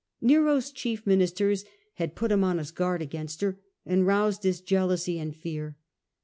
Nero's chief ministers had put him on his guard against her and roused his jealousy and fear.